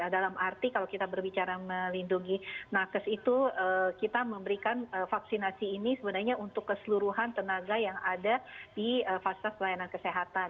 dalam arti kalau kita berbicara melindungi nakes itu kita memberikan vaksinasi ini sebenarnya untuk keseluruhan tenaga yang ada di fasilitas pelayanan kesehatan